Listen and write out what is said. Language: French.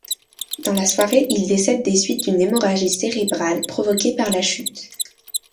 Dans la soirée, il décède des suite d'une hémorragie cérébrale provoquée par la chute.